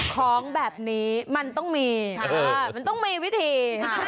ของแบบนี้จะต้องมีวิธี